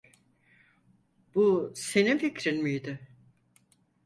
Bu senin fikrin miydi?